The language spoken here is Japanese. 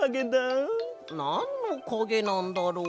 なんのかげなんだろう？